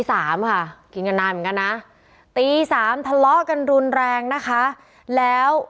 สามค่ะกินกันนานเหมือนกันนะตีสามทะเลาะกันรุนแรงนะคะแล้ว